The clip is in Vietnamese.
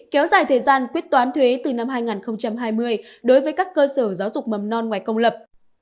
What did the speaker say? kéo dài thời gian quyết toán thuế từ năm hai nghìn hai mươi đối với các cơ sở giáo dục mầm non ngoài công lập